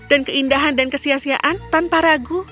dan keindahan dan kesiasiaan tanpa ragu